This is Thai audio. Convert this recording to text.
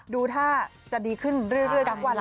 ดูถ้าจะดีขึ้นเรื่อยทั้งวันเลย